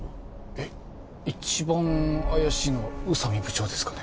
えっ一番怪しいのは宇佐美部長ですかね